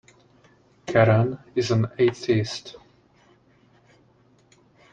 Karen is an atheist.